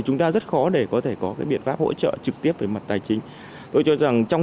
chúng ta rất khó để có thể có cái biện pháp hỗ trợ trực tiếp về mặt tài chính tôi cho rằng trong